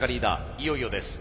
いよいよです。